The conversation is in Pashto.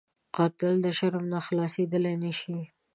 قاتل د شرم نه خلاصېدلی نه شي